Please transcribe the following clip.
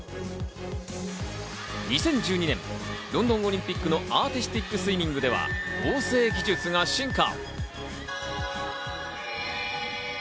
２０１２年ロンドンオリンピックのアーティスティックスイミングでは合成技術が進化。